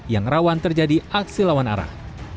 yang rawan terjadi aksi lawan arah